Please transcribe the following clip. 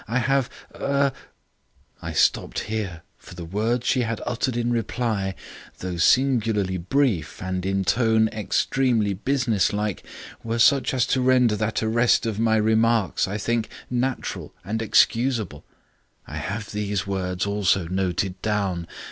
I have er ' I stopped here, for the words she had uttered in reply, though singularly brief and in tone extremely business like, were such as to render that arrest of my remarks, I think, natural and excusable. I have these words also noted down.